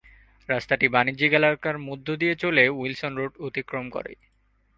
রাস্তাটি বাণিজ্যিক এলাকার মধ্য দিয়ে চলে উইলসন রোড অতিক্রম করে।